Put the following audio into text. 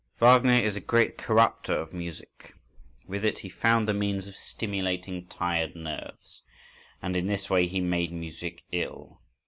Wagner is a great corrupter of music. With it, he found the means of stimulating tired nerves,—and in this way he made music ill.